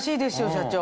社長。